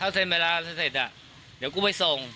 ถ้าเซ็นเวลาเสร็จเนี่ยเดี๋ยวกูไปส่ง